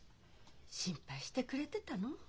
心配してくれてたの？